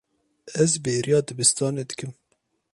Ez bêriya dibistanê dikim.